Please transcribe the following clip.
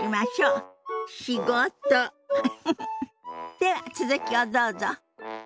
では続きをどうぞ。